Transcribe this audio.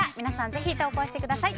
ぜひ投稿してください。